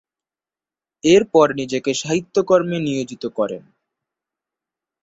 এরপর নিজেকে সাহিত্যকর্মে নিয়োজিত করেন।